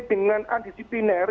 jadi kita harus berpikir